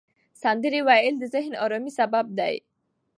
سندره ویل د ذهني آرامۍ سبب دی.